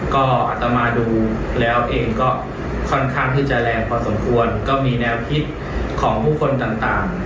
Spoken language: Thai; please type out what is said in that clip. ก็อัตมาดูแล้วเองก็ค่อนข้างที่จะแรงพอสมควรก็มีแนวคิดของผู้คนต่างต่าง